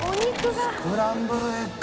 スクランブルエッグ。